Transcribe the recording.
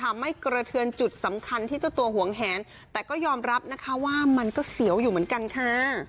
ไม่กระเทือนจุดสำคัญที่เจ้าตัวหวงแหนแต่ก็ยอมรับนะคะว่ามันก็เสียวอยู่เหมือนกันค่ะ